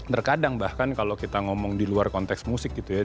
terkadang bahkan kalau kita ngomong di luar konteks musik gitu ya